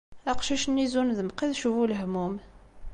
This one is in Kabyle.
Aqcic-nni zun d Mqidec bu lehmum.